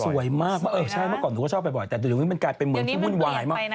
สวยมากเมื่อเออใช่เมื่อก่อนหนูก็ชอบบ่อยแต่เดี๋ยวนี้มันกลายเป็นเหมือนที่วุ่นวายมาก